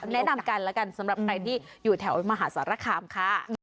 แนะนำกันแล้วกันสำหรับใครที่อยู่แถวมหาสารคามค่ะ